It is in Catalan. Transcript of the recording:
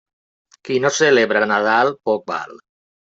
Qui no celebra Nadal, poc val.